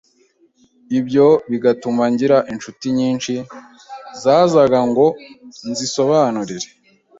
ibyo bigatuma ngira inshuti nyinshi zazaga ngo nzisobanurire